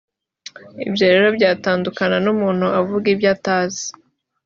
ibyo rero byatandukana n’umuntu uvuga ibyo atazi